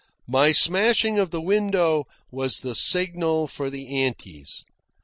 My smashing of the window was the signal for the antis.